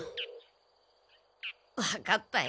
わかったよ。